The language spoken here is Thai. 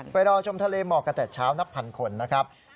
รอชมทะเลหมอกกันแต่เช้านับพันคนนะครับ